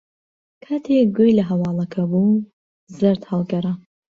کاتێک گوێی لە ھەواڵەکە بوو، زەرد ھەڵگەڕا.